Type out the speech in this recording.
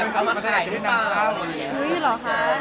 ทำให้ใส่ด้วยน้ำคราว